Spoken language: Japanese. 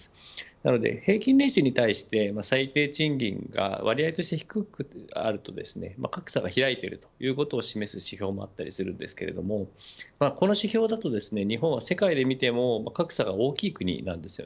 なので平均年収に対して、最低賃金が割合として低くあると格差が開いているということを示す指標もあったりするんですけどこの指標だと日本は世界で見ても格差が大きい国なんです。